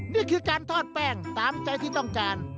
นี่คือการทอดแป้งตามใจที่ต้องการ